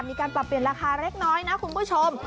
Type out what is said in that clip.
มีการปรับเปลี่ยนราคาเล็กน้อยนะคุณผู้ชม